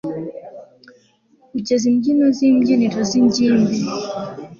kugeza imbyino zibyiniro zingimbi